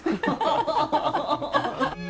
ハハハハハ。